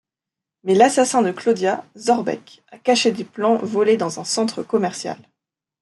Mais l'assassin de Claudia, Zorbek, a caché des plans volés dans un centre commercial.